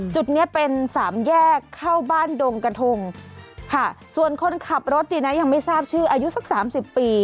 จุดนี้เป็นสามแยกเข้าบ้านดงกระทงค่ะส่วนคนขับรถเนี่ยนะยังไม่ทราบชื่ออายุสักสามสิบปี